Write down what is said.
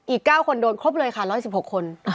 อีก๙คนโดนครบเลยค่ะ๑๑๖คน